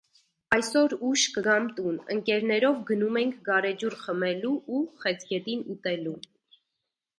Այսօր ուշ կգամ տուն, ընկերներով գնում ենք գարեջուր խմելու ու խեցգետին ուտելու։